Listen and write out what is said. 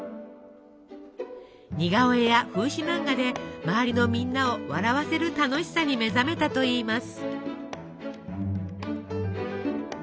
似顔絵や風刺漫画で周りのみんなを笑わせる楽しさに目覚めたといいます。